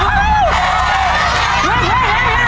เรียนเรียนเรียน